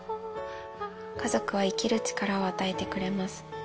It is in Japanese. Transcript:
家族は生きる力を与えてくれます。